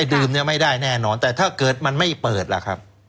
ดื่มเนี่ยไม่ได้แน่นอนแต่ถ้าเกิดมันไม่เปิดล่ะครับ